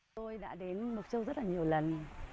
tôi đã đến mộc châu rất nhiều lần